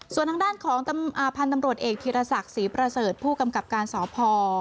ส่วนทางด้านของพันธุ์ตำรวจเอกธีรศักดิ์ศรีประเสริฐผู้กำกับการสพ